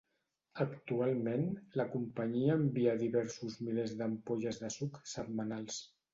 Actualment, la companyia envia diversos milers d'ampolles de suc setmanals.